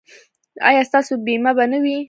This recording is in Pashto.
ایا ستاسو بیمه به نه وي؟